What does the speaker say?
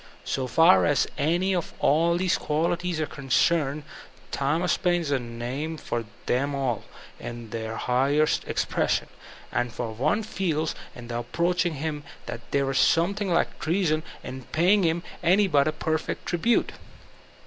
So far as any or all of these qualities are concerned Thomas Paine is a name for them all, in their highest expression. And one feeb in approaching him that there is something like treason in paying him any but a perfect tribute.